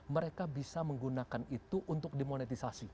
mereka bisa menggunakan itu untuk dimonetisasi